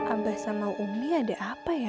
abah sama umi ada apa ya